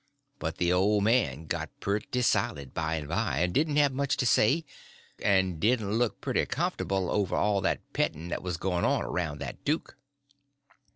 But the old man got pretty silent by and by—didn't have much to say, and didn't look pretty comfortable over all that petting that was going on around that duke.